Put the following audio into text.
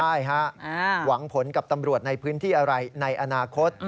ใช่ฮะหวังผลกับตำรวจในพื้นที่อะไรในอนาคต